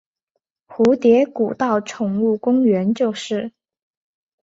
蝴蝶谷道宠物公园就是。